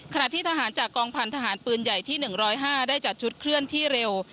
ขณะที่ทหารจากกองพันธหารปืนใหญ่ที่๑๐๕ได้จัดชุดเคลื่อนที่เร็ว